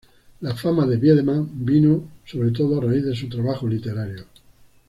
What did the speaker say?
La fama de Wiedemann vino sobre todo a raíz de su trabajo literario.